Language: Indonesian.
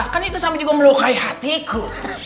kan itu sama juga melukai hatiku